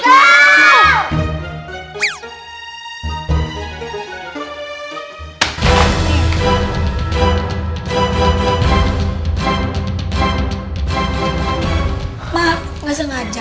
maaf gak sengaja